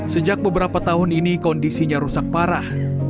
sejak beberapa tahun ini kondisinya rusak parah